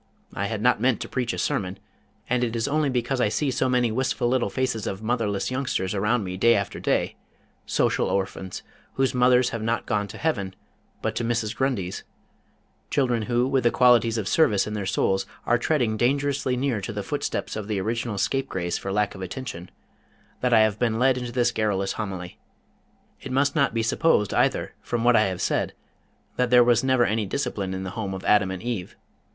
I had not meant to preach a sermon, and it is only because I see so many wistful little faces of motherless youngsters around me day after day Social Orphans, whose mothers have not gone to Heaven, but to Mrs. Grundy's; children who with the qualities of service in their souls are treading dangerously near to the footsteps of the original scapegrace for lack of attention; that I have been led into this garrulous homily. It must not be supposed, either from what I have said that there was never any discipline in the Home of Adam and Eve.